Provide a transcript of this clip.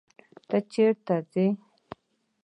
ته چيري ځې؟